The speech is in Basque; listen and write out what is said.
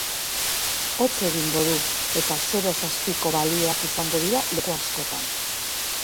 Hotz egingo du, eta zeroz azpiko balioak izango dira leku askotan.